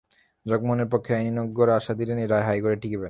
জগমোহনের পক্ষের আইনজ্ঞরা আশা দিলেন এ রায় হাইকোর্টে টিঁকিবে না।